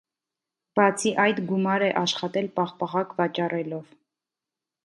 Բացի այդ գումար է աշխատել պաղպաղակ վաճառելով։